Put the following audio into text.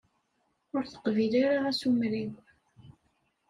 Ur teqbil ara asumer-iw.